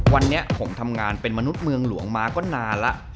วันนี้ผมทำงานเป็นมนุษย์เมืองหลวงมาก็นานแล้ว